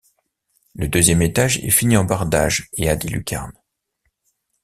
Le deuxième étage est fini en bardage et a des lucarnes.